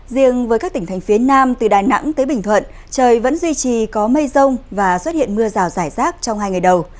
riêng với các tỉnh thành phía nam từ đà nẵng tới bình thuận trời vẫn duy trì có mây rông và xuất hiện mưa rào rải rác trong hai ngày đầu